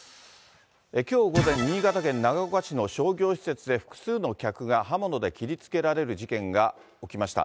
きょう午前、新潟県長岡市の商業施設で複数の客が刃物で切りつけられる事件が起きました。